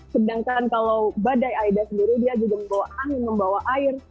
sedangkan kalau badai aida sendiri dia juga membawa angin membawa air